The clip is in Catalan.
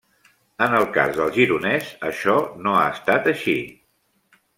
En el cas del Gironès això no ha estat així.